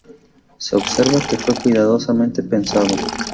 Se observa que fue cuidadosamente pensado.